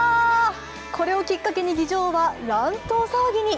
これをきっかけに議場は乱闘騒ぎに。